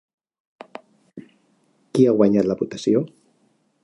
Qui ha guanyat la votació?